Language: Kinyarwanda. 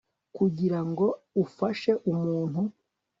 kugira ngo ufashe umuntu